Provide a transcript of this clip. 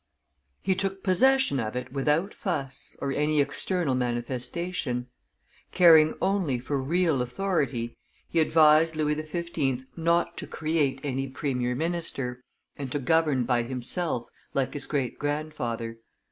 He took possession of it without fuss or any external manifestation; caring only for real authority, he advised Louis XV. not to create any premier minister, and to govern by himself, like his great grandfather.